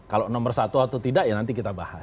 kalau nomor satu atau tidak ya nanti kita bahas